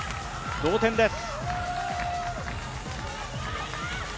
同点です。